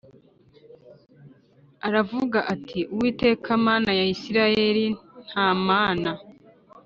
Aravuga ati Uwiteka Mana ya Isirayeli nta mana